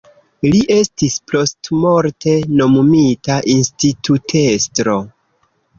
Li estis postmorte nomumita institutestro.